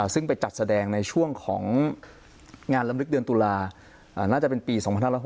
ซึ่งไปจัดแสดงในช่วงของงานลำลึกเดือนตุลาน่าจะเป็นปี๒๕๖๖